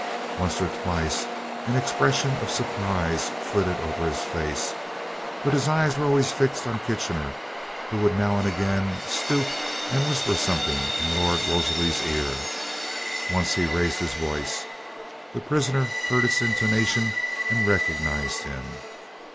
Once or twice an expression of surprise flitted over his face, but his eyes were always fixed on Kitchener, who would now and again stoop and whisper something in Lord Wolseley's ear. Once he raised his voice. The prisoner heard its intonation and recognized him.